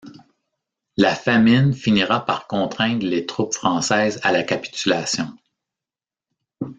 La famine finira par contraindre les troupes françaises à la capitulation.